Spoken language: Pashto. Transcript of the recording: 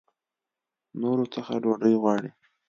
نورو څخه ډوډۍ غواړي.